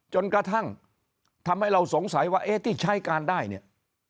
จนกระทั่งทำให้เราสงสัยว่าเอ๊ะที่ใช้การได้เนี่ย